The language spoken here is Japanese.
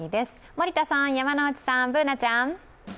森田さん、山内さん、Ｂｏｏｎａちゃん。